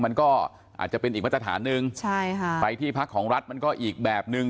มันก็อาจจะเป็นอีกมาตรฐานหนึ่งใช่ค่ะไปที่พักของรัฐมันก็อีกแบบนึง